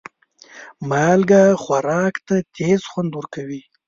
مالګه خوراک ته تیز خوند ورکوي.